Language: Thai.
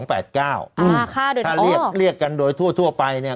อ้าวฆ่าเดินโอ้วถ้าเรียกกันโดยทั่วไปเนี่ย